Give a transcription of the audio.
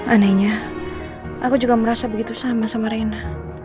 anehnya aku juga merasa begitu sama sama reina